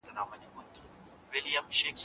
آيا د تعليم معيار ښه سوی دی؟